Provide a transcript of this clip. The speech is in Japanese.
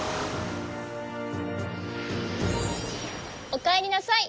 おかえりなさい。